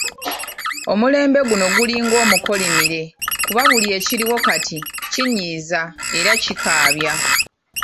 Omulembe oguliwo gulinga omukolimire kuba buli ekiriwo kati kinyiiza era kikaabya.